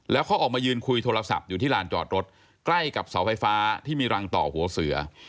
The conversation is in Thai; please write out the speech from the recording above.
แล้วเขาออกมายืนคุยโทรศัพท์อยู่ที่ลานจอดรถใกล้กับเสาไฟฟ้าที่มีรังต่อหัวเสือ